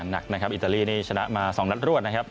น่ะนะครับอิตาลีชนะมาสองนัดรวดนะครับ